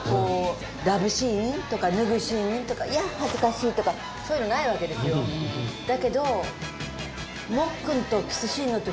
ラブシーンとか脱ぐシーンとか「いや恥ずかしい」とかそういうのないわけですよ。なんてうらやましい！